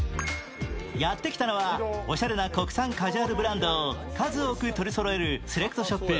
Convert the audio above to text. やってきたのはおしゃれな国産カジュアルブランドを数多く取りそろえるセレクトショップ